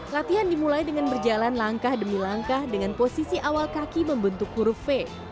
latihan dimulai dengan berjalan langkah demi langkah dengan posisi awal kaki membentuk kurve